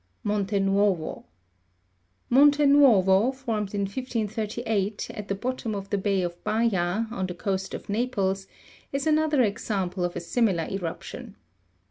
Monte Nuovo. Monte Nuovo, formed in 1538, at the bottom of the bay of Baia, on the coast of Naples, is another example of a similar eruption.